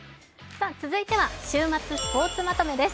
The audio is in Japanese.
続いては週末スポーツまとめです。